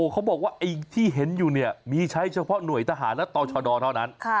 เขาบอกว่าไอ้ที่เห็นอยู่เนี่ยมีใช้เฉพาะหน่วยทหารและต่อชดเท่านั้น